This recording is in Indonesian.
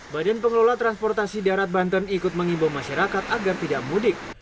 badan pengelola transportasi darat banten ikut mengimbau masyarakat agar tidak mudik